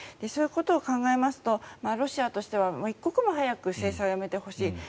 そういうことを考えますとロシアとしては一刻も早く制裁をやめてほしい。